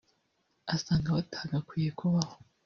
Asanga hatagakwiye kubaho